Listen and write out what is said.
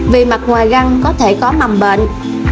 vì mặt ngoài găng có thể có mầm bệnh